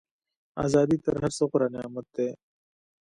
ازادي تر هر څه غوره نعمت دی.